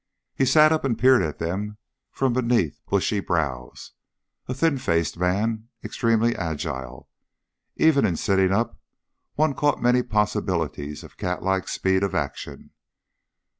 He sat up and peered at them from beneath bushy brows, a thin faced man, extremely agile. Even in sitting up, one caught many possibilities of catlike speed of action.